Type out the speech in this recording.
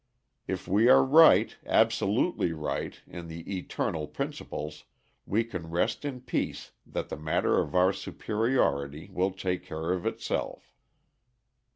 If we are right, absolutely right, in the eternal principles, we can rest in peace that the matter of our superiority will take care of itself.